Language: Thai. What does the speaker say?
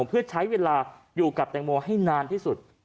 เพื่อใช้เวลาอยู่กับแตงโมให้นานที่สุด